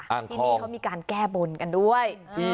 ที่นี่เขามีการแก้บนกันด้วย